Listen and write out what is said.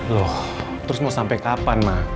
loh terus mau sampai kapan mah